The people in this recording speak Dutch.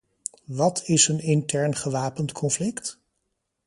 Wat is een intern gewapend conflict?